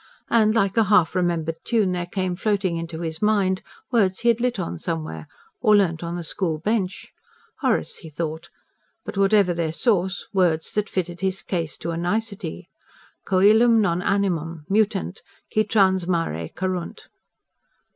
And like a half remembered tune there came floating into his mind words he had lit on somewhere, or learnt on the school bench Horace, he thought, but, whatever their source, words that fitted his case to a nicety. COELUM, NON ANIMUM, MUTANT, QUI TRANS MARE CURRUNT.